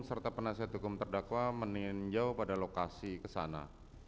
serta penasihat hukum terdakwa meninjau pada lokasi kesana